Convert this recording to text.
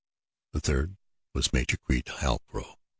The third was Major Creede Halcrow.